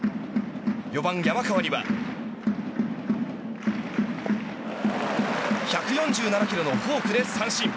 ４番、山川には１４７キロのフォークで三振。